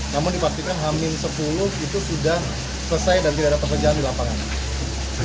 namun dipastikan hamil sepuluh itu sudah selesai dan tidak ada pekerjaan di lapangan